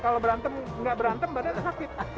kalau berantem nggak berantem badannya sakit